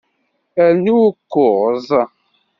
Rnu ukuẓ.